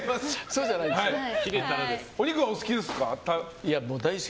お肉はお好きですか？